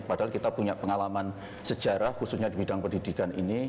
padahal kita punya pengalaman sejarah khususnya di bidang pendidikan ini